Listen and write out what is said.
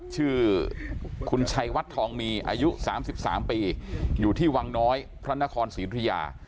ชื่อคุณชัยวัดทองมีอายุ๓๓ปีอยู่ที่วังน้อยพระนครศรีธุยา